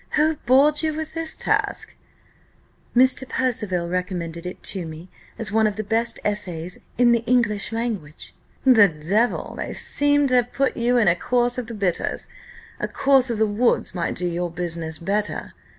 who bored you with this task?" "Mr. Percival recommended it to me, as one of the best essays in the English language." "The devil! they seem to have put you in a course of the bitters a course of the woods might do your business better.